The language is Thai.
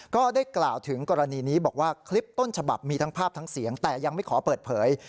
ก็ได้กล่าวถึงกรณีนี้บอกว่าคลิปต้นฉบับมีทั้งภาพทั้งเสียงแต่ยังไม่ขอเปิดเผย